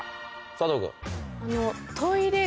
佐藤君。